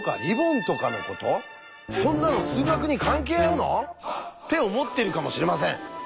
そんなの数学に関係あんの？って思ってるかもしれません。